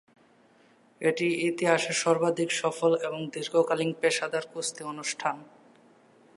এটি ইতিহাসের সর্বাধিক সফল এবং দীর্ঘকালীন পেশাদার কুস্তি অনুষ্ঠান।